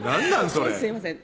それすいません